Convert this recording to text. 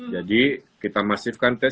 jadi kita masifkan tes